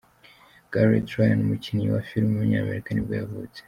Garret Ryan, umukinnyi wa film w’umunyamerika nibwo yavutse.